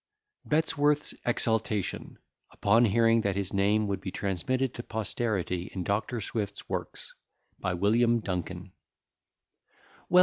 ] BETTESWORTH'S EXULTATION UPON HEARING THAT HIS NAME WOULD BE TRANSMITTED TO POSTERITY IN DR. SWIFT'S WORKS. BY WILLIAM DUNKIN Well!